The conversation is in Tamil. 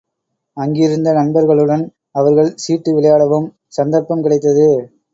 அங்கிருந்த நண்பர்களுடன் அவர்கள் சீட்டு விளையாடவும் சந்தர்ப்பம் கிடைத்தது.